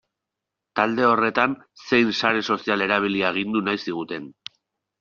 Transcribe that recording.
Talde horretan zein sare sozial erabili agindu nahi ziguten.